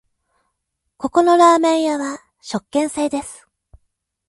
ここのラーメン屋は食券制です